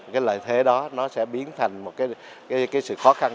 thì lợi thế đó sẽ biến thành một sự khó khăn